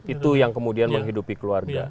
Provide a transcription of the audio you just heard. itu yang kemudian menghidupi keluarga